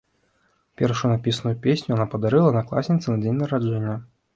Першую напісаную песню яна падарыла аднакласніцы на дзень нараджэння.